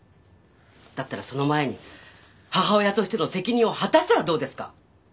だったらその前に母親としての責任を果たしたらどうですか？